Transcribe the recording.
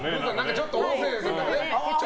ちょっと音声さんがね。